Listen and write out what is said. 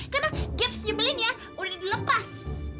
karena gips nyubelin ya udah dilepas